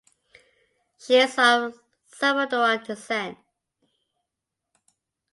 She is of Salvadoran descent.